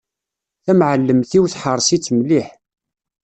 Tamεellemt-iw teḥreṣ-itt mliḥ.